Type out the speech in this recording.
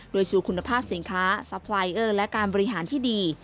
โดยชูคุณภาพสินค้าซัพพลายเออร์และการบริหารที่ดี